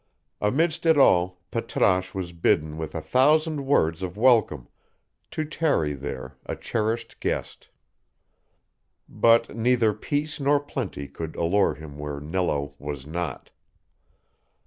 Amidst it all Patrasche was bidden with a thousand words of welcome to tarry there a cherished guest. But neither peace nor plenty could allure him where Nello was not.